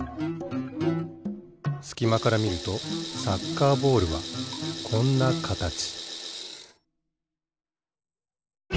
すきまからみるとサッカーボールはこんなかたち